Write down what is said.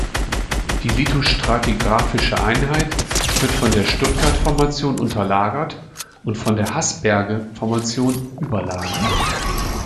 Die lithostratigraphische Einheit wird von der Stuttgart-Formation unterlagert und von der Hassberge-Formation überlagert.